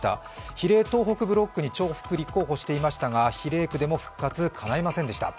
比例東北ブロックに重複立候補していましたが、比例区でも復活かないませんでした。